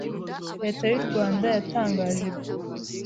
leta y'u Rwanda yatangaje ibyo